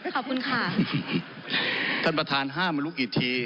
ขอบคุณค่ะท่านประธานห้ามมารู้กี่ที